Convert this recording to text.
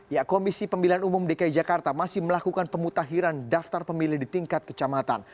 ya komisi pemilihan umum dki jakarta masih melakukan pemutahiran daftar pemilih di tingkat kecamatan